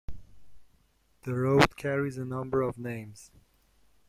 The road carries a number of names.